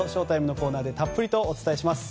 ＳＨＯ‐ＴＩＭＥのコーナーでたっぷりとお伝えします。